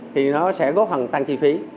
thì nó sẽ góp hẳn tăng chi phí